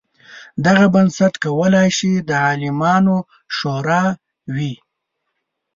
دغه بنسټ کولای شي د عالمانو شورا وي.